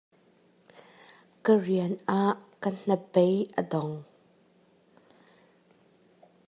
Ka rian ah ka hnabei a dong.